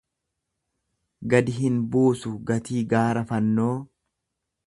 Gadi hin buusu gatii gaara fannoo.